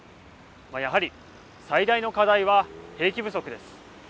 やはり、最大の課題は兵器不足です。